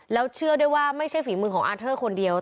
แล้วเชื่อด้วยว่าไม่ใช่ฝีมือของอาร์เทอร์คนเดียว